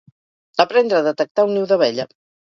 Aprendre a detectar un niu d'abella.